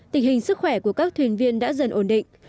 tình hình sức khỏe của các thuyền viên đã dần ổn định